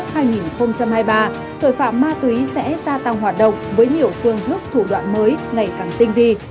tội phạm ma túy sẽ gia tăng hoạt động với nhiều phương thức thủ đoạn mới ngày càng tinh vi